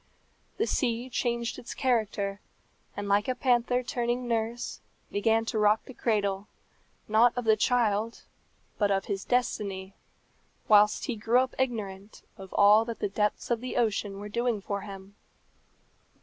The sea changed its character, and, like a panther turning nurse, began to rock the cradle, not of the child, but of his destiny, whilst he grew up ignorant of all that the depths of ocean were doing for him.